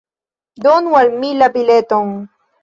Donu al mi la bileton.